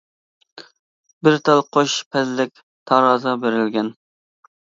بىر تال قوش پەللىلىك تارازا بېرىلگەن.